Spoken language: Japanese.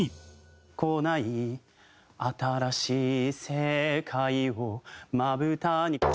「来ない」「新しい世界をまぶたに」